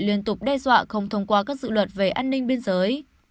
liên tục đe dọa không thông qua các dự luật về an ninh biên giới